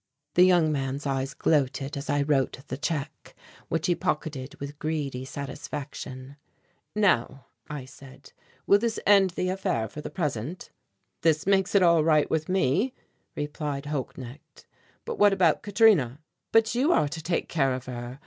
The young man's eyes gloated as I wrote the check, which he pocketed with greedy satisfaction. "Now," I said, "will this end the affair for the present?" "This makes it all right with me," replied Holknecht, "but what about Katrina?" "But you are to take care of her.